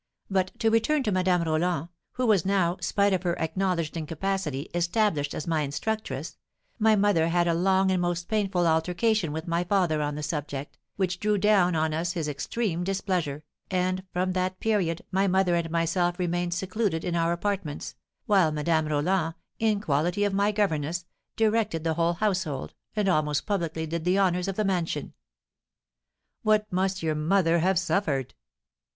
But to return to Madame Roland, who was now, spite of her acknowledged incapacity, established as my instructress: my mother had a long and most painful altercation with my father on the subject, which drew down on us his extreme displeasure, and from that period my mother and myself remained secluded in our apartments, while Madame Roland, in quality of my governess, directed the whole household, and almost publicly did the honours of the mansion." "What must your mother have suffered!"